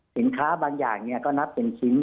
สินค้าบางอย่างก็นับเป็นชิ้น